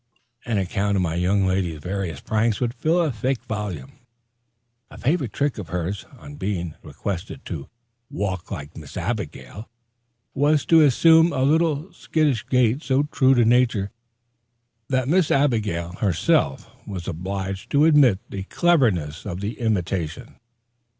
An account of my young lady's various pranks would fill a thick volume. A favorite trick of hers, on being requested to "walk like Miss Abigail," was to assume a little skittish gait so true to nature that Miss Abigail herself was obliged to admit the cleverness of the imitation.